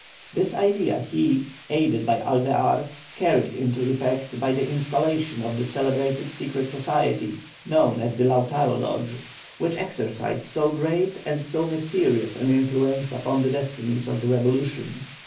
This idea he, aided by Alvear, carried into effect by the installation of the celebrated secret society known as THE LAUTARO LODGE, which exercised so great and so mysterious an influence upon the destinies of the revolution.